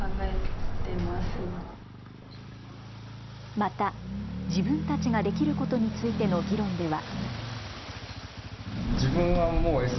また、自分たちができることについての議論では。